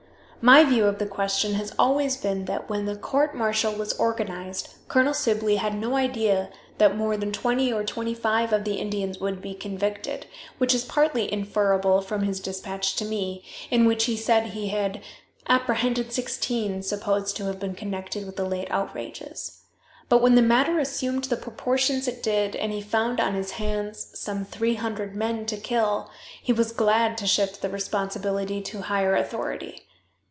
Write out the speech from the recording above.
My view of the question has always been that, when the court martial was organized, Colonel Sibley had no idea that more than twenty or twenty five of the Indians would be convicted, which is partly inferrable from his dispatch to me, in which he said he had "apprehended sixteen supposed to have been connected with the late outrages." But when the matter assumed the proportions it did, and he found on his hands some three hundred men to kill, he was glad to shift the responsibility to higher authority.